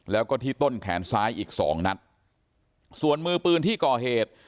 แล้วก็ที่ต้นแขนซ้ายอีกสองนัดส่วนมือปืนที่ก่อเหตุ